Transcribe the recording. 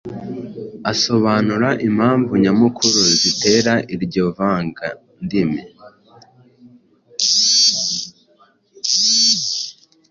asobanura impamvu nyamukuru zitera iryo vangandimi